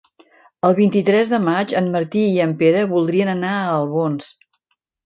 El vint-i-tres de maig en Martí i en Pere voldrien anar a Albons.